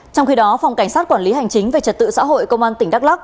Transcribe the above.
trong khi đó phòng cảnh sát quản lý hành chính về trật tự xã hội công an tỉnh đắk lắc